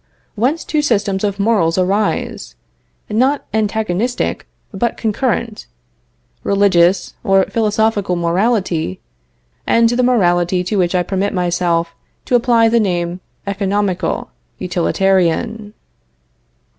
Whence two systems of morals arise, not antagonistic but concurrent; religious or philosophical morality, and the morality to which I permit myself to apply the name economical (utilitarian).